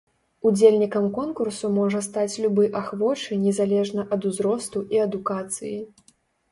Удзельнікам конкурсу можа стаць любы ахвочы незалежна ад узросту і адукацыі.